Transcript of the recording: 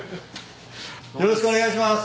よろしくお願いします。